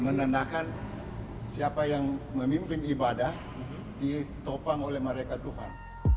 menandakan siapa yang memimpin ibadah ditopang oleh mereka tuhan